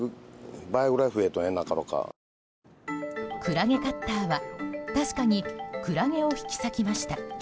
クラゲカッターは確かにクラゲを引き裂きました。